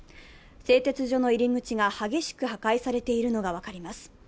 製鉄所の入り口が激しく破壊されているのが分かります。